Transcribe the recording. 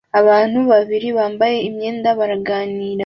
Abantu babiri bambaye imyenda baraganira